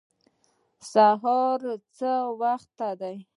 سهار څه وخت دی؟